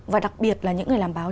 và đặc biệt là những người làm báo